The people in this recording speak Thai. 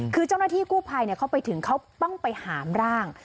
คือเจ้าหน้าที่กู้ภัยเขาไปถึงเขาต้องไปหามร่าง